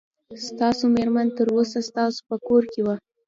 ستاسو مېرمن تر اوسه ستاسو په کور کې وه.